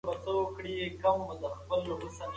دا د ټولنپوهنې اصلي پیغام دی.